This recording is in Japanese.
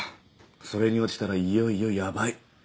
それに落ちたらいよいよヤバい。